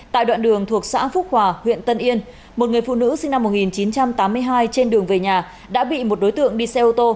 tại đoạn đường thuộc xã phúc hòa huyện tân yên một người phụ nữ sinh năm một nghìn chín trăm tám mươi hai trên đường về nhà đã bị một đối tượng đi xe ô tô